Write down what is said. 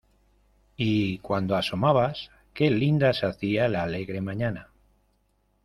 Y cuando asomabas ¡qué linda se hacía la alegre mañana!